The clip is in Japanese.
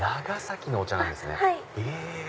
長崎のお茶なんですね！